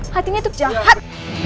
hatinya tuh jahat